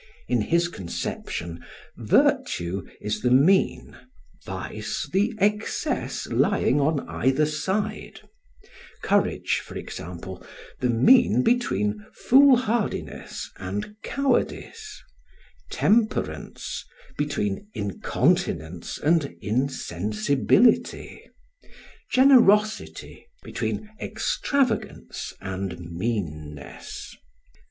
In his conception, virtue is the mean, vice the excess lying on either side courage, for example, the mean between foolhardiness and cowardice, temperance, between incontinence and insensibility, generosity, between extravagance and meanness.